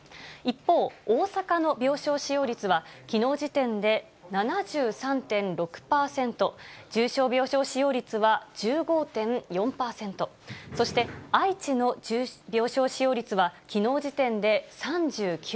一方、大阪の病床使用率は、きのう時点で７３．６％、重症病床使用率は１５．４％、そして愛知の病床使用率はきのう時点で３９％。